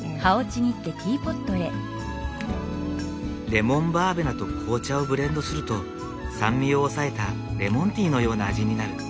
レモンバーベナと紅茶をブレンドすると酸味を抑えたレモンティーのような味になる。